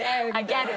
ギャル？